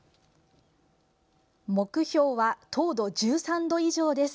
目標は、糖度１３度以上です。